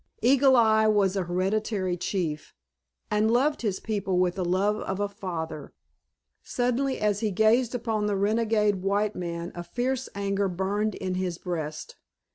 Eagle Eye was a hereditary chief, and loved his people with the love of a father. Suddenly as he gazed upon the renegade white man a fierce anger burned in his breast.